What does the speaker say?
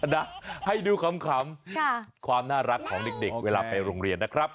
นะให้ดูขำความน่ารักของเด็กเวลาไปโรงเรียนนะครับ